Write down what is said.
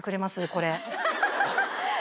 これ。